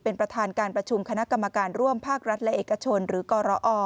เป็นประธานการประชุมคณะกรรมการร่วมภาครัฐและเอกชนหรือกรอ